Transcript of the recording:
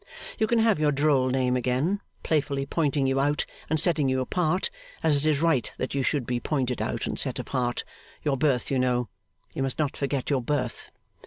You can have your droll name again, playfully pointing you out and setting you apart, as it is right that you should be pointed out and set apart. (Your birth, you know; you must not forget your birth.)